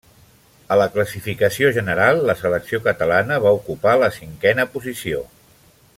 A la classificació general la selecció catalana va ocupar la cinquena posició.